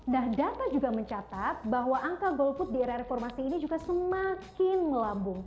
nah data juga mencatat bahwa angka golput di era reformasi ini juga semakin melambung